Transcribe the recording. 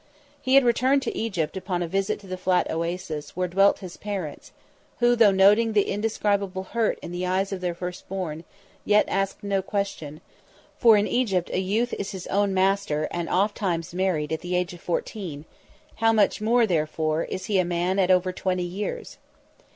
He had returned to Egypt upon a visit to the Flat Oasis where dwelt his parents, who, though noting the indescribable hurt in the eyes of their firstborn, yet asked no question, for in Egypt a youth is his own master and ofttimes married at the age of fourteen; how much more, therefore, is he a man at over twenty years?